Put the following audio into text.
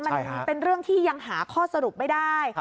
มันเป็นเรื่องที่ยังหาข้อสรุปไม่ได้